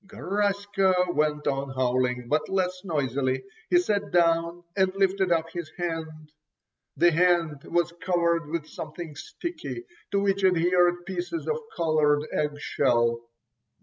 Garaska went on howling, but less noisily, he sat down and lifted up his hand. The hand was covered with something sticky, to which adhered pieces of coloured egg shell.